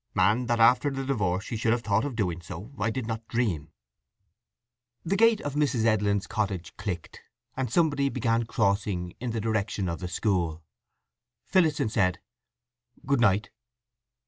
And that after the divorce she should have thought of doing so I did not dream." The gate of Mrs. Edlin's cottage clicked, and somebody began crossing in the direction of the school. Phillotson said "Good night."